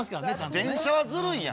電車はずるいやん。